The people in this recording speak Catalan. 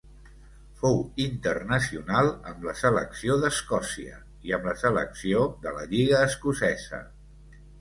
Fou internacional amb la selecció d'Escòcia i amb la selecció de la lliga escocesa.